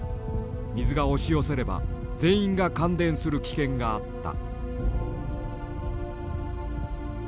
水が押し寄せれば全員が感電する危険があった。